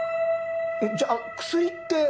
えっじゃあクスリって。